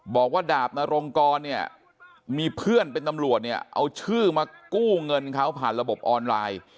บอกว่าดาบนรงกรเนี่ยมีเพื่อนเป็นตำรวจเนี่ยเอาชื่อมากู้เงินเขาผ่านระบบออนไลน์